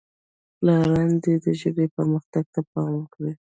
پلاران دې د ژبې پرمختګ ته پام وکړي.